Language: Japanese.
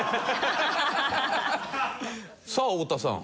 さあ太田さん。